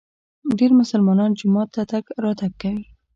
ډېر مسلمانان جومات ته تګ راتګ کوي.